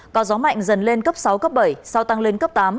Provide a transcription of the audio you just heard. có gió mạnh dần lên cấp sáu cấp bảy sau tăng lên cấp tám